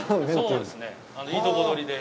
いいとこ取りで。